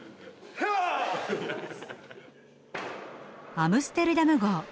アムステルダム号。